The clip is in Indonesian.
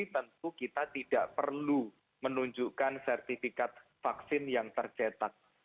tentu kita tidak perlu menunjukkan sertifikat vaksin yang tercetak